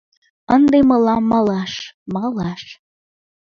Ынде мылам малаш... малаш...